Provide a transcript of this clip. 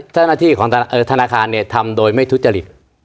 เจ้าหน้าที่ของธนาคารเนี่ยทำโดยไม่ทุจริต